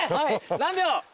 何秒？